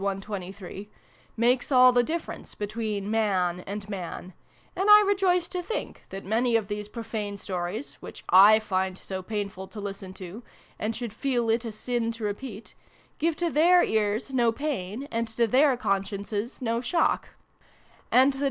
123) makes all the difference between man and man ; and I rejoice to think that many of these pro fane stories which / find so painful to listen to, and should feel it a sin to repeat give to their ears no pain, and to their consciences no shock ; and that xxii PREFACE.